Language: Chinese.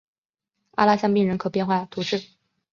阿拉香槟人口变化图示